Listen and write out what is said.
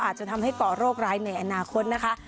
อาจจะทำให้ก่อโรคร้ายในอนาคตนะคะ